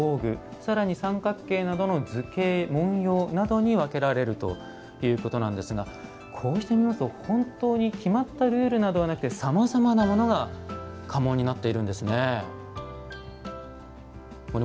さらに、三角形などの図形・紋様などに分けられるということなんですがこうして見ますと、本当に決まったルールなどはなくさまざまなものが家紋になっているんですね。